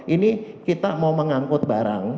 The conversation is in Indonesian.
ini kita mau mengangkut barang